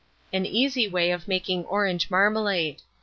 AN EASY WAY OF MAKING ORANGE MARMALADE.